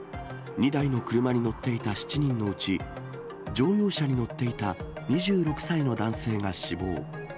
２台の車に乗っていた７人のうち、乗用車に乗っていた２６歳の男性が死亡。